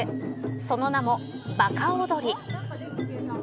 その名も、馬鹿踊り。